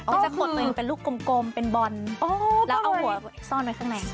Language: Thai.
จะขดตัวเองเป็นลูกกลมเป็นบอลแล้วเอาหัวซ่อนไว้ข้างใน